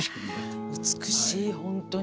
いや美しい本当に。